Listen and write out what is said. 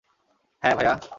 হ্যাঁ, ভায়া?